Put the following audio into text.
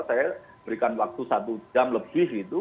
saya berikan waktu satu jam lebih gitu